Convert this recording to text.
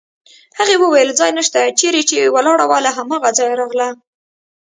هغې وویل: ځای نشته، چېرې چې ولاړه وه له هماغه ځایه راغله.